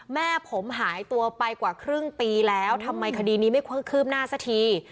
แม่ผมหายตัวไปกว่าครึ่งปีแล้วทำไมคดีนี้ไม่ค่อยคืบหน้าสักที